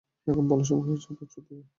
এখন বলার সময় হয়েছে তোর, চুতিয়া?